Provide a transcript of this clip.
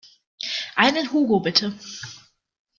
Einen Hugo bitte.